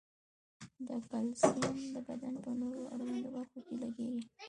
دا کلسیم د بدن په نورو اړوندو برخو کې لګیږي.